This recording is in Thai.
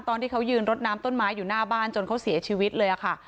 ตอนที่เขายืนรดน้ำต้นไม้อยู่หน้าบ้านจนเขาเสียชีวิตเลยค่ะ